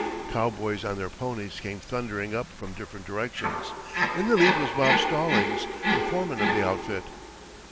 Cowboys on their ponies came thundering up from different directions. In the lead was Bob Stallings, the foreman of the outfit.